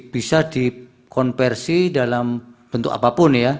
bisa dikonversi dalam bentuk apapun ya